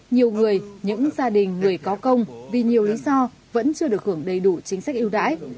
nhiều người những gia đình người có công vì nhiều lý do vẫn chưa được hưởng đầy đủ chính sách ưu đãi